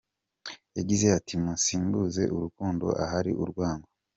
Yagize ati “Musimbuze urukundo ahari urwango.